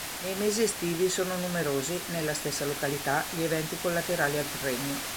Nei mesi estivi sono numerosi, nella stessa località, gli eventi collaterali al premio.